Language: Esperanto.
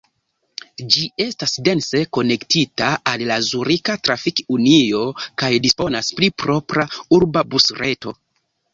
Ĝi estas dense konektita al la Zurika Trafik-Unio kaj disponas pri propra urba busreto.